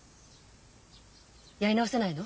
やり直せないの？